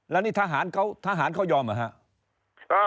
แล้วนี่ทหารเขายอมเหรอครับ